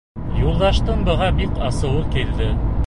Юлдаштың быға бик асыуы килде.